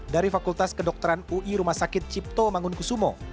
dari fakultas kedokteran ui rumah sakit cipto mangunkusumo